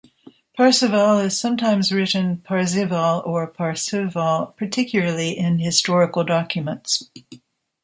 Parseval is sometimes written Parzeval or Parceval, particularly in historical documents.